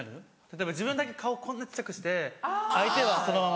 例えば自分だけ顔こんな小っちゃくして相手がそのまま。